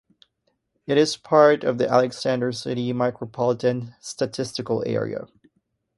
It is part of the Alexander City Micropolitan Statistical Area.